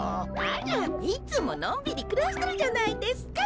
あらっいつものんびりくらしてるじゃないですか。